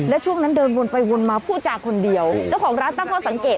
และช่วงนั้นเดินวนไปวนมาพูดจากคนเดียวเจ้าของร้านตั้งข้อสังเกต